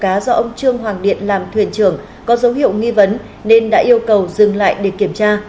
cá do ông trương hoàng điện làm thuyền trưởng có dấu hiệu nghi vấn nên đã yêu cầu dừng lại để kiểm tra